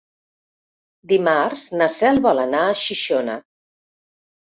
Dimarts na Cel vol anar a Xixona.